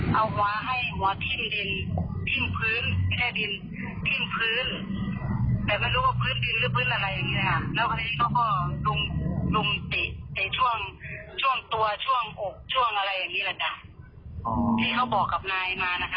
ต้อนรักษณะต่ออีกทีจะพื้นไปอย่างนี้